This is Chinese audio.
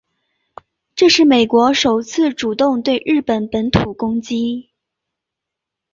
这是美国首次主动对日本本土攻击。